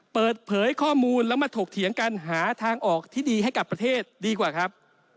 เปิดเผยข้อมูลแล้วมาถกเถียงกันหาทางออกที่ดีให้กับประเทศดีกว่าครับ